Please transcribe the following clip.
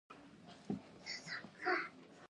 د وزن د کمولو لپاره د څه شي اوبه وڅښم؟